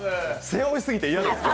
背負いすぎて嫌です。